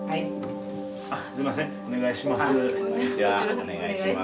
お願いします。